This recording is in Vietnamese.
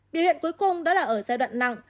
biểu hiện cuối cùng đó là ở giai đoạn nặng